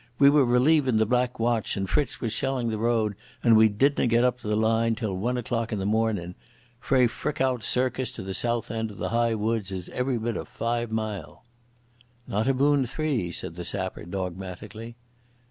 "We were relievin' the Black Watch, and Fritz was shelling the road, and we didna get up to the line till one o'clock in the mornin'. Frae Frickout Circus to the south end o' the High Wood is every bit o' five mile." "Not abune three," said the sapper dogmatically.